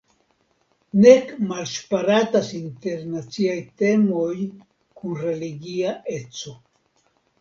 Nek malŝparatas internaciaj temoj kun religia eco.